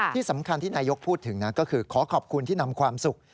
ที่สำคัญที่นายกพูดถึงนะก็คือขอขอบคุณที่นำความสุข